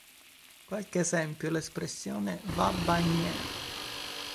Qualche esempio: l'espressione "va baigner!